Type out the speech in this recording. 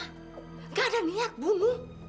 tidak ada niat membunuh